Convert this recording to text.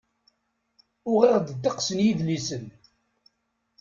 Uɣeɣ-d ddeqs n yidlisen.